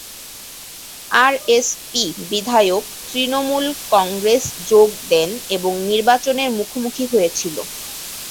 RSP বিধায়ক তৃণমূল কংগ্রেস যোগ দেন এবং নির্বাচনের মুখোমুখি হয়েছিল।